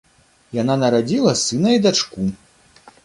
Яна нарадзіла сына і дачку.